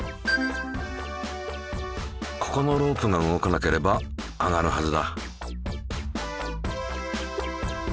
ここのロープが動かなければ上がるはずだ。